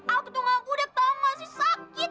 aku tuh gak budeg tau gak sih sakit